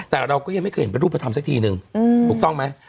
แต่เราก็ยังไม่เคยเห็นเป็นรูปธรรมสักทีนึงถูกต้องไหม